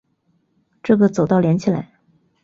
这个走道连起来